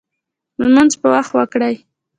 لمونځ په وخت وکړئ